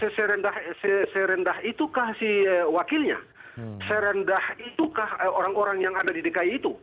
se se se rendah itu kah si wakilnya se se rendah itu kah orang orang yang ada di dki itu